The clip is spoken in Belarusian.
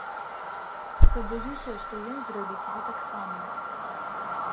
Спадзяюся, што ён зробіць гэтак сама.